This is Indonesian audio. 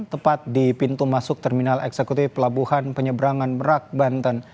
tepat di pintu masuk terminal eksekutif pelabuhan penyeberangan merak banten